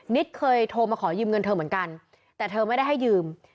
เคยโทรมาขอยืมเงินเธอเหมือนกันแต่เธอไม่ได้ให้ยืม